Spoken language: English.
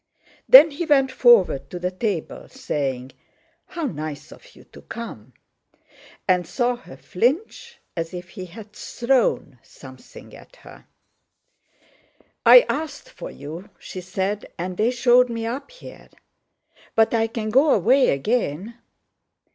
Then he went forward to the table, saying, "How nice of you to come!" and saw her flinch as if he had thrown something at her. "I asked for you," she said, "and they showed me up here. But I can go away again."